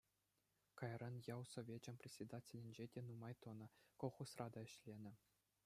Кайран ял совечӗн председателӗнче те нумай тӑнӑ, колхозра та ӗҫленӗ.